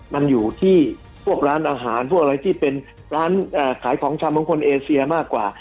มันอยู่ที่พวกร้านอาหารพวกอะไรที่เป็นร้านขายของชำของคนเอเซียมากกว่า